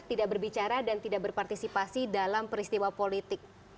tidak berbicara dan tidak berpartisipasi dalam peristiwa politik